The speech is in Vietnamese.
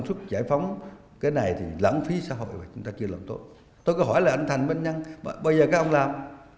tôi cần hỏi lại anh thành bân nhân bây giờ các ông làm